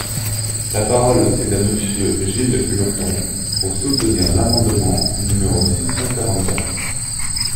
La parole est à Monsieur Gilles Lurton, pour soutenir l’amendement numéro six cent quarante-quatre.